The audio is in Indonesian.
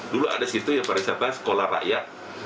dulu ada situ ya pariwisata sekolah rakyat